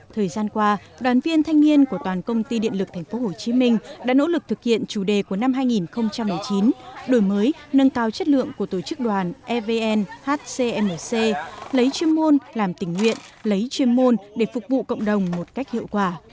thời gian qua đoàn viên thanh niên của toàn công ty điện lực tp hcm đã nỗ lực thực hiện chủ đề của năm hai nghìn một mươi chín đổi mới nâng cao chất lượng của tổ chức đoàn evn hcmc lấy chuyên môn làm tình nguyện lấy chuyên môn để phục vụ cộng đồng một cách hiệu quả